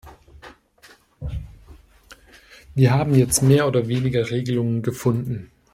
Wir haben jetzt mehr oder weniger Regelungen gefunden.